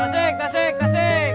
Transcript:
kasih kasih kasih